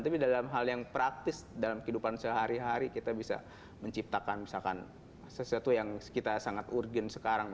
tapi dalam hal yang praktis dalam kehidupan sehari hari kita bisa menciptakan misalkan sesuatu yang kita sangat urgen sekarang